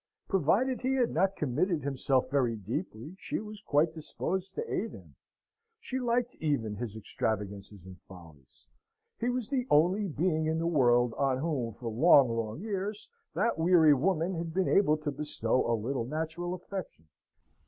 Provided he had not committed himself very deeply, she was quite disposed to aid him. She liked even his extravagances and follies. He was the only being in the world on whom, for long, long years, that weary woman had been able to bestow a little natural affection.